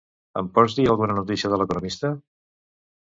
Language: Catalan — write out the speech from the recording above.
Em pots dir alguna notícia de l'"Economista"?